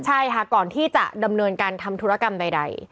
ใช่ค่ะก่อนที่จะดำเนินการทำธุรกรรมใด